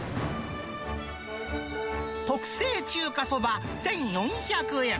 特製中華そば１４００円。